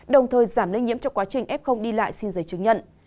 đồng thời giảm lây nhiễm cho quá trình f đi lại xin giấy chứng nhận